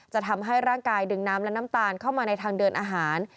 ทำให้ร่างกายดึงน้ำและน้ำตาลเข้ามาในทางเดินอาหาร